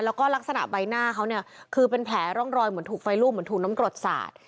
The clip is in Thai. แล้วก็ลักษณะใบหน้าเขาเนี่ยคือเป็นแผลร่องรอยเหมือนถูกไฟลูบเหมือนถูกน้ำกรดสาด